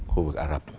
khu vực iraq